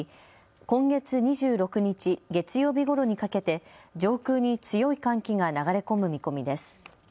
今月２６日月曜日ごろにかけて上空に強い寒気が流れ込む見込みです。